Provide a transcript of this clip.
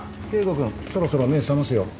君そろそろ目覚ますよ。